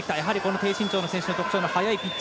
低身長の選手の特徴の速いピッチ。